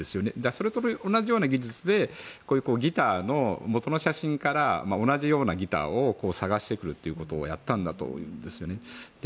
それと同じような技術でギターの元の写真から同じようなギターを探してくるということをやったんだと思うんですね。